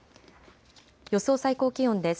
予想最高気温です。